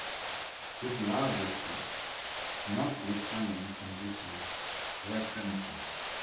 This largesse notwithstanding, conditions were primitive.